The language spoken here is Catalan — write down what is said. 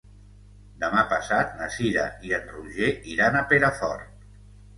Demà passat na Cira i en Roger iran a Perafort.